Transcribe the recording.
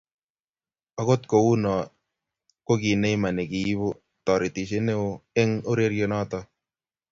Ogot ko uu noe ko ki Neymar ne kiibu toretishe ne oo eng urerionoto.